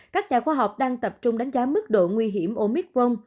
các nhà khoa học đang tập trung đánh giá mức độ nguy hiểm omicron